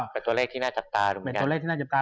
เป็นตัวเลขที่หน้าจับตา